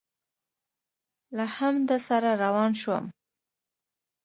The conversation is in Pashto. له همده سره روان شوم.